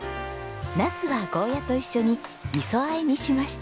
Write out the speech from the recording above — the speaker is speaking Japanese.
ナスはゴーヤと一緒にみそあえにしました。